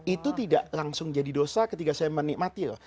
itu tidak langsung jadi dosa ketika saya menikmati loh